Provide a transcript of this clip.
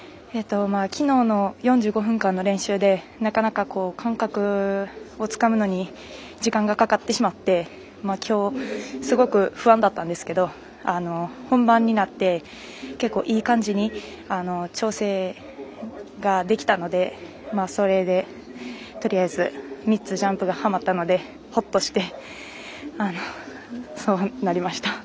きのうの４５分間の練習でなかなか感覚をつかむのに時間がかかってしまってきょう、すごく不安だったんですけど本番になって、結構いい感じに調整ができたのでそれで、とりあえず３つジャンプがはまったのでほっとして、そうなりました。